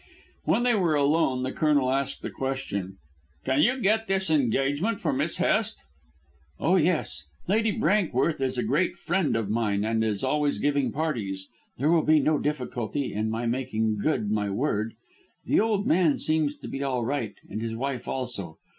When they were alone the Colonel asked a question: "Can you get this engagement for Miss Hest?" "Oh, yes. Lady Brankworth is a great friend of mine and is always giving parties. There will be no difficulty in my making good my word. The old man seems to be all right and his wife also.